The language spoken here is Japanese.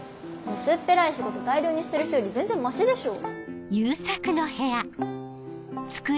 薄っぺらい仕事大量にしてる人より全然マシでしょ。